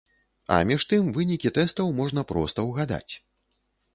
А між тым, вынікі тэстаў можна проста ўгадаць.